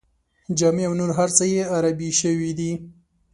جامې او نور هر څه یې عربي شوي دي.